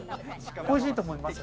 おいしいと思いますよ。